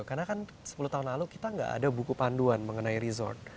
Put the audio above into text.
karena kan sepuluh tahun lalu kita gak ada buku panduan mengenai resort